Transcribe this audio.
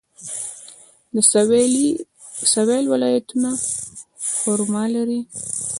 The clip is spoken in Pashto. د سویل ولایتونه خرما لري.